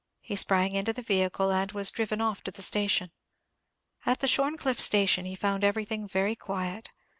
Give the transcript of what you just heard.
He sprang into the vehicle, and was driven off to the station. At the Shorncliffe station he found everything very quiet.